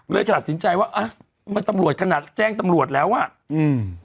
ตัดสินใจว่าอ่ะมันตำรวจขนาดแจ้งตำรวจแล้วอ่ะอืม